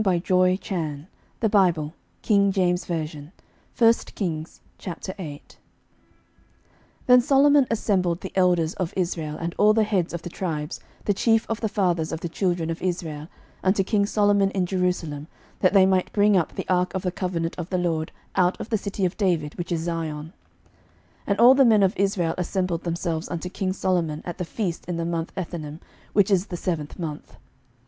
11:008:001 Then Solomon assembled the elders of Israel, and all the heads of the tribes, the chief of the fathers of the children of Israel, unto king Solomon in Jerusalem, that they might bring up the ark of the covenant of the LORD out of the city of David, which is Zion. 11:008:002 And all the men of Israel assembled themselves unto king Solomon at the feast in the month Ethanim, which is the seventh month.